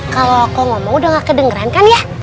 kalau aku ngomong udah gak kedengeran kan ya